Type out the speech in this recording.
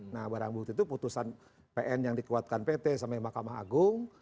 nah barang bukti itu putusan pn yang dikuatkan pt sama mahkamah agung